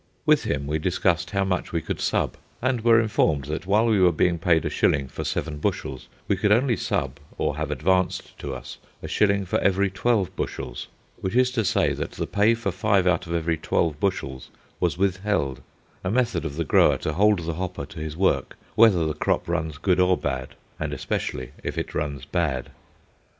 With him we discussed how much we could "sub," and were informed that while we were being paid a shilling for seven bushels, we could only "sub," or have advanced to us, a shilling for every twelve bushels. Which is to say that the pay for five out of every twelve bushels was withheld—a method of the grower to hold the hopper to his work whether the crop runs good or bad, and especially if it runs bad.